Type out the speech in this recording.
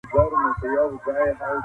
زموږ تاریخ باید له عقدو پاک وساتل سي.